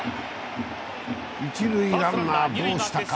一塁ランナー、どうしたか。